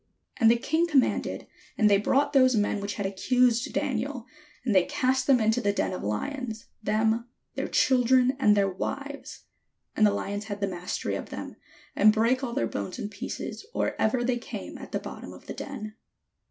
And the king commanded, and they brought those men which had accused Daniel, and they cast them into the den of lions, them, their children, and their wives; and the Hons had the mastery of them, and brake all their bones in pieces or ever they came at the bottom of the den.